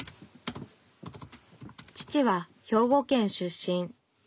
父は兵庫県出身。